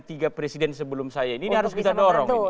tiga presiden sebelum saya ini harus kita dorong